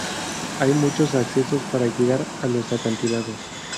Hay muchos accesos para llegar a los acantilados.